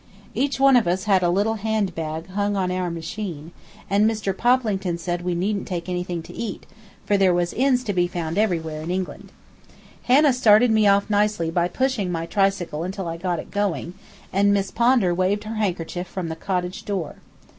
Each one of us had a little hand bag hung on our machine, and Mr. Poplington said we needn't take anything to eat, for there was inns to be found everywhere in England. Hannah started me off nicely by pushing my tricycle until I got it going, and Miss Pondar waved her handkerchief from the cottage door.